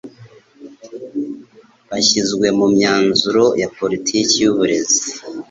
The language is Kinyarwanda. baashyizwe mu myanzuro ya politiki y'uburezi